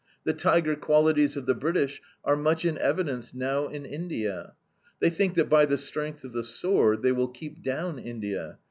The tiger qualities of the British are much in evidence now in India. They think that by the strength of the sword they will keep down India!